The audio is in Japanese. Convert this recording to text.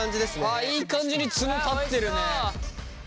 ああいい感じにツノ立ってるね！